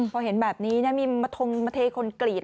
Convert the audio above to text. พอเห็นแบบนี้นะมีมาทงมาเทคนกรีด